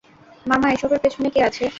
মামা, এসবের পেছনে কে আছে?